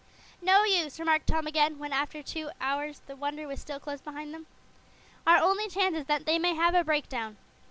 "No use," remarked Tom again, when, after two hours, the Wonder was still close behind them. "Our only chance is that they may have a breakdown."